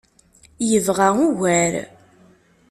Yebɣa ugar.